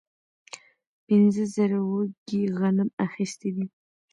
پنځه زره وږي غنم اخیستي دي.